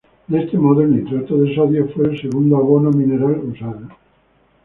De este modo, el nitrato de sodio fue el segundo abono mineral usado.